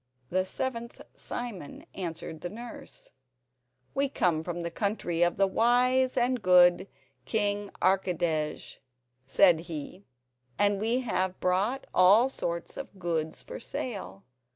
The seventh Simon answered the nurse: "We come from the country of the wise and good King Archidej," said he, "and we have brought all sorts of goods for sale.